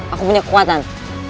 aku punya kekuatan